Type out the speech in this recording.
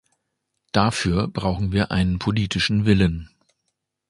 Dafür brauchen wir einen politischen Willen.